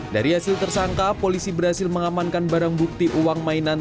dari hasil tersangka polisi berhasil mengamankan barang bukti uang mainan